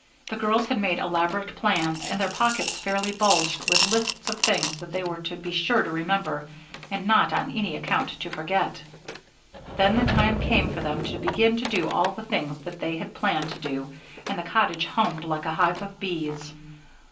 The girls had made elaborate plans and their pockets fairly bulged with lists of things that they were to be sure to remember and not on any account to forget. Then the time came for them to begin to do all the things that they had planned to do, and the cottage hummed like a hive of bees.